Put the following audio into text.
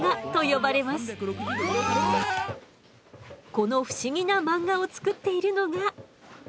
この不思議な漫画を作っているのが。